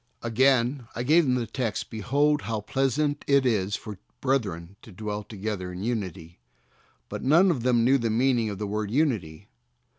Again I gave them the text, "Behold how pleasant it is for brethren to dwell together in unity." But none of them knew the meaning of the word "unity."